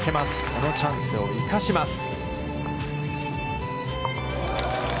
このチャンスを生かします。